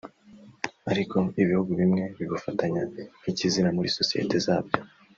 Ariko ibihugu bimwe bibufatanya nk’ikizira muri sosiyete zabyo